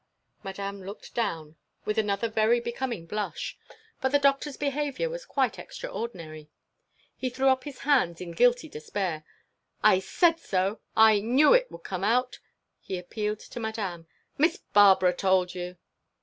Madame looked down, with another very becoming blush: but the Doctor's behaviour was quite extraordinary. He threw up his hands in guilty despair. "I said so! I knew it would come out!—" He appealed to Madame. "Miss Barbara told you!"